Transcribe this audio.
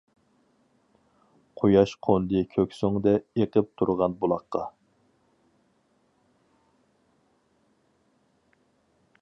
قۇياش قوندى كۆكسۈڭدە ئېقىپ تۇرغان بۇلاققا.